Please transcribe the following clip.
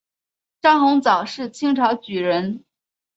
张鸿藻是清朝举人。